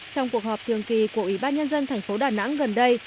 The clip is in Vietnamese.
trong cuộc họp thường kỳ của ủy ban nhân dân tp đà nẵng gần đây